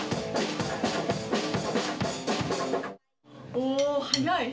おー、速い。